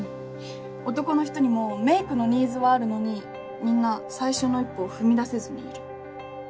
男の人にもメイクのニーズはあるのにみんな最初の一歩を踏み出せずにいる。